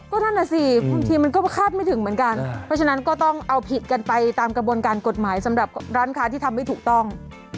ก็นั่นน่ะสิบางทีมันก็คาดไม่ถึงเหมือนกันเพราะฉะนั้นก็ต้องเอาผิดกันไปตามกระบวนการกฎหมายสำหรับร้านค้าที่ทำไม่ถูกต้อง